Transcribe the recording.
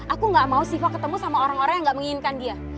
aku gak mau siva ketemu sama orang orang yang gak menginginkan dia